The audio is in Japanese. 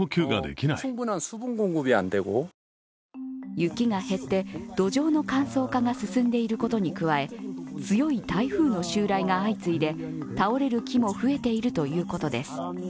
雪が減って土壌の乾燥化が進んでいることに加え、強い台風の襲来が相次いで倒れる木も増えているということです。